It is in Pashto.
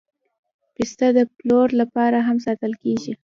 پسه د پلور لپاره هم ساتل کېږي.